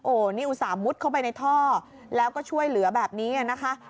โอ้โหนี่อุตส่าห์มุดเข้าไปในท่อแล้วก็ช่วยเหลือแบบนี้นะคะ